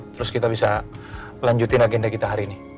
terus kita bisa lanjutin agenda kita hari ini